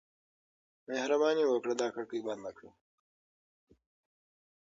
مهرباني وکړه دا کړکۍ بنده کړه.